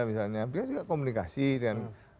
misalnya biasanya komunikasi dengan